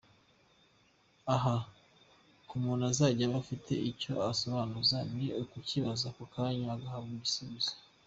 Aha, ku muntu uzajya aba afite icyo asobanuza ni ukukibaza ako kanya agahabwa igisubizo.